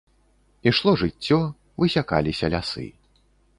Ішло жыццё, высякаліся лясы.